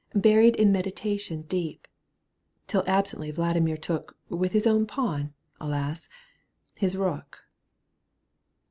Buried in meditation deep, Till absently Vladimir took With his own pawn alas ! his rook